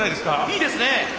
いいですね！